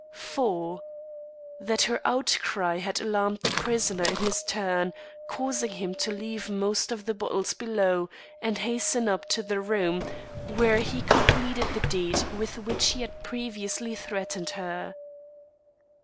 4. That her outcry had alarmed the prisoner in his turn, causing him to leave most of the bottles below, and hasten up to the room, where he completed the deed with which he had previously threatened her.